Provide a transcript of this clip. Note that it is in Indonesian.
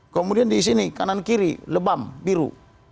kemudian di sini kanan kiri lebam biru